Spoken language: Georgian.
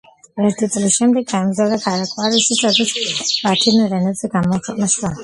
ერთი წლის შემდეგ გაემგზავრა ქალაქ პარიზში, სადაც ლათინურ ენაზე გამოაქვეყნა შრომა.